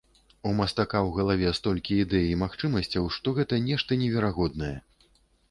У мастака ў галаве столькі ідэй і магчымасцяў, што гэта нешта неверагоднае.